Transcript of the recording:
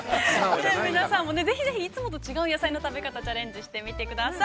◆皆さんもぜひぜひいつもと違う野菜の食べ方、チャレンジしてみてください。